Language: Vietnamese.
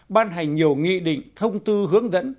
ban hành nhiều nghị định thông tư hướng dẫn